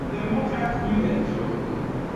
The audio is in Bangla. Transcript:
পরে ফিরিয়ে দিব।